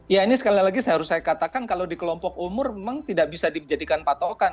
ya ini sekali lagi saya harus saya katakan kalau di kelompok umur memang tidak bisa dijadikan patokan